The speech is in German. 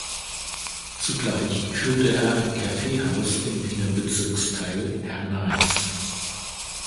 Zugleich führte er ein Kaffeehaus im Wiener Bezirksteil Hernals.